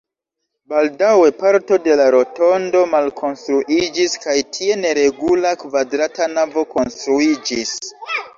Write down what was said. Baldaŭe parto de la rotondo malkonstruiĝis kaj tie neregula kvadrata navo konstruiĝis.